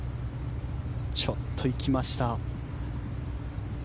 ちょっと行きました。